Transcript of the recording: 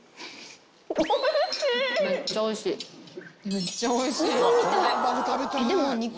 めっちゃおいしい。